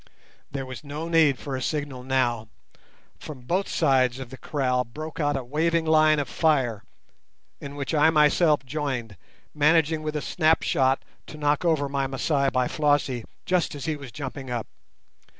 There was no need for a signal now. From both sides of the kraal broke out a waving line of fire, in which I myself joined, managing with a snap shot to knock over my Masai by Flossie, just as he was jumping up.